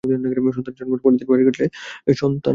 সন্তানের জন্মের পর নাড়ি কাটলে সন্তান বাঁচে।